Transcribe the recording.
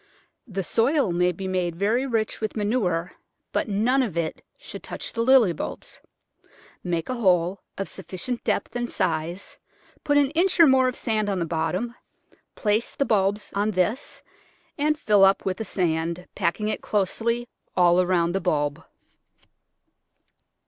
The soil may be made very rich with manure, but none of it should touch the Lily bulbs. Make a hole of sufficient depth and size, put an inch or more of sand on the bottom, place the bulbs on this and fill Digitized by Google Sixteen] %ty JtyUfflp £tl#*etl x8i up with the sand, packing it closely all around the bulb.